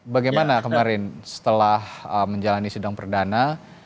bagaimana kemarin setelah menjalani sidang perdana